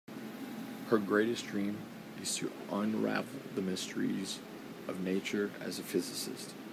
Her greatest dream is to unravel the mysteries of nature as a physicist.